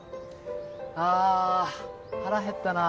ああ腹減ったな。